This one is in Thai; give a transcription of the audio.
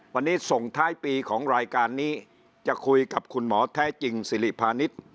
วันนี้ส่งท้ายปีของรายการนี้จะคุยกับคุณหมอแท้จริงสิริพาณิชย์